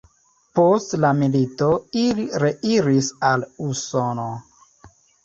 Post la milito ili reiris al Usono.